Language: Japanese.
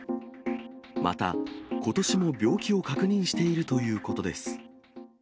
また、ことしも病気を確認しているということです。